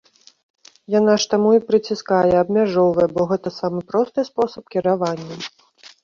Яна ж таму і прыціскае, абмяжоўвае, бо гэта самы просты спосаб кіравання.